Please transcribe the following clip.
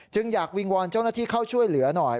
อยากวิงวอนเจ้าหน้าที่เข้าช่วยเหลือหน่อย